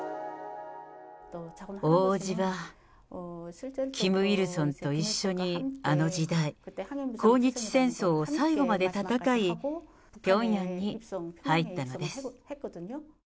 大叔父は、キム・イルソンと一緒にあの時代、抗日戦争を最後まで戦い、ピョンヤンに入ったのです。